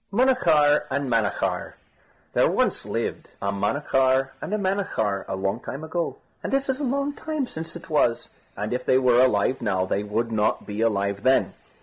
MUNACHAR AND MANACHAR There once lived a Munachar and a Manachar, a long time ago, and it is a long time since it was, and if they were alive now they would not be alive then.